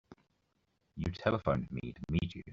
You telephoned me to meet you.